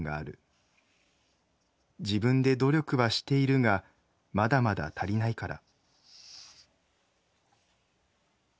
自分で努力はしているがまだまだ足りないから」。